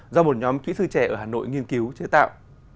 do một nhóm kỹ sư trẻ ở hà nội nghiên cứu chế tạo